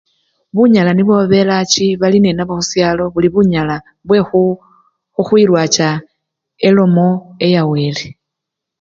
Bunyala nibwo babelwachi balininabwo khushalo buli bunyala bwekhukhwilwacha elomo eya wele.